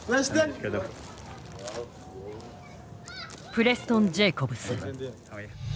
プレストン・ジェイコブス。